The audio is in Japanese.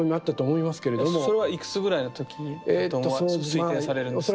それはいくつぐらいの時だと推定されるんですか？